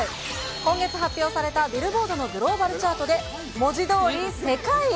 今月発表されたビルボードのグローバルチャートで、文字どおり世界一。